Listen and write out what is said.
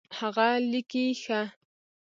هغه لیکي ښه